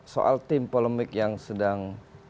soal tim polemik yang sedang